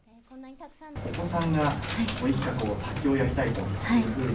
お子さんが、いつか卓球をやりたいというふうに。